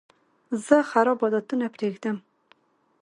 زه خراب عادتونه پرېږدم.